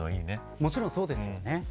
もちろんそうですね。